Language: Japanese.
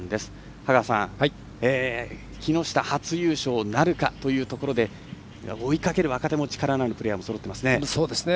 羽川さん、木下初優勝なるかというところで追いかける若手も力のあるプレーヤーがそろっていますね。